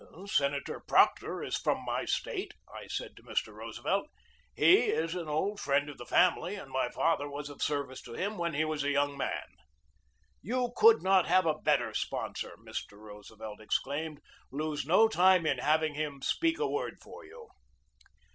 "Senator Proctor is from my State," I said to Mr. Roosevelt. "He is an old friend of the family, and my father was of service to him when he was a young man." "You could not have a better sponsor," Mr. Roosevelt exclaimed. "Lose no time in having him speak a word for you."